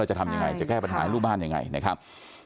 จะทำยังไงจะแก้ปัญหาให้ลูกบ้านยังไงนะครับ